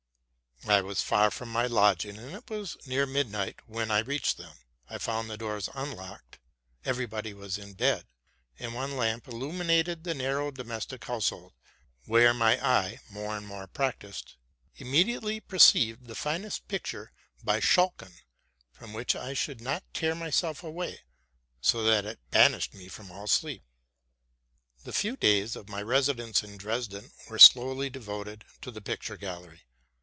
I was far from my lodgings, and it was near midnight when I reached them. I found the doors unlocked ; every body was in bed; and one lamp illuminated the narrow do mestic household, where my eye, more and more practised, immediately perceived the finest picture by Schalken, from which I could not tear myself away, so that it banished from me all sleep. The few days of my residence in Dresden were solely de voted to the picture gallery.